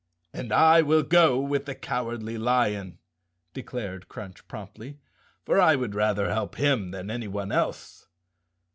"And I will go with the Cowardly Lion," declared Crunch promptly, "for I would rather help him than any one else."